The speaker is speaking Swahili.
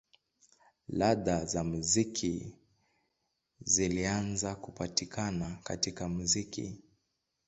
Ladha za muziki zilianza kupatikana katika muziki.